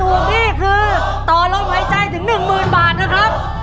ถ้าถูกนี่คือตอนร่วมหายใจถึง๑๐๐๐๐บาทนะครับ